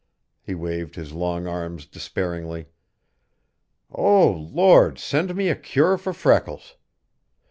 He waved his long arms despairingly. "O Lord, send me a cure for freckles.